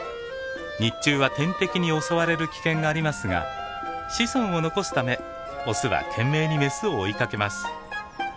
日中は天敵に襲われる危険がありますが子孫を残すためオスは懸命にメスを追いかけます。